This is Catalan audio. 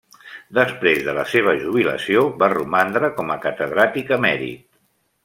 Després de la seva jubilació va romandre com a Catedràtic Emèrit.